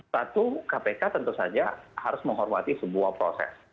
satu kpk tentu saja harus menghormati sebuah proses